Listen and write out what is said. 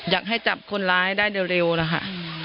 อยากให้จับคนร้ายได้เร็วนะคะ